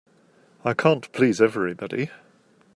I can't please everybody.